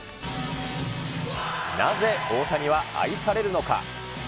なぜ大谷は愛されるのか。